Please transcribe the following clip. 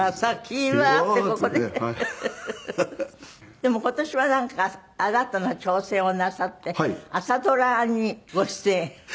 でも今年はなんか新たな挑戦をなさって朝ドラにご出演。